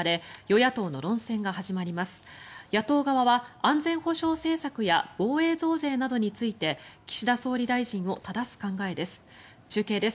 野党側は安全保障政策や防衛増税などについて岸田総理大臣をただす考えです。